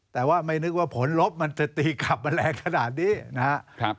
แต่ว่าไม่นึกว่าผลลบมันจะตีกลับมาแรงขนาดนี้นะครับ